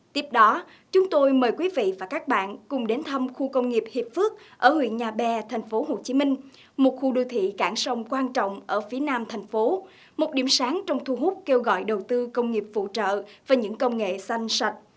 tiếp đó chúng tôi mời quý vị và các bạn cùng đến thăm khu công nghiệp hiệp phước ở huyện nhà bè tp hcm một khu đô thị cảng sông quan trọng ở phía nam thành phố một điểm sáng trong thu hút kêu gọi đầu tư công nghiệp phụ trợ và những công nghệ xanh sạch